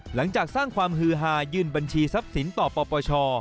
หลังจากสร้างความฮือฮายื่นบัญชีทรัพย์สินต่อปปช